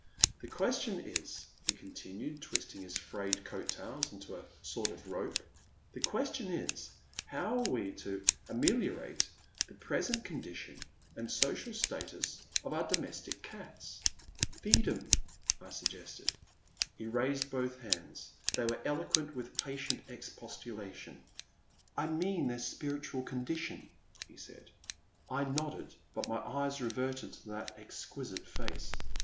The question is," he continued, twisting his frayed coat tails into a sort of rope —'* the ques tion is, how are we to ameliorate the present con dition and social status of our domestic cats " 362 The Man at the Next Table. *' Feed *em, I suggested. He raised both hands. They were eloquent with patient expostulation. '* I mean their spir itual condition," he said. I nodded, but my eyes reverted to that exquisite face.